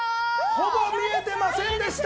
ほぼ見えていませんでした。